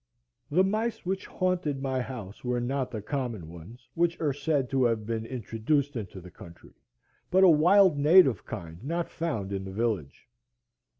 The mice which haunted my house were not the common ones, which are said to have been introduced into the country, but a wild native kind not found in the village.